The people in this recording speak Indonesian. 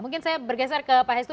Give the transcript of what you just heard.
mungkin saya bergeser ke pak hestu